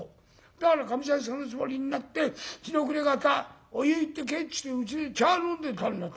だからかみさんそのつもりになって日の暮れ方お湯行って帰ってきてうちで茶飲んでたんだと。